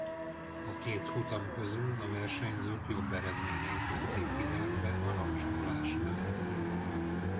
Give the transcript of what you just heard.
A két futam közül a versenyzők jobb eredményeit vették figyelembe a rangsorolásnál.